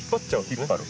引っ張る。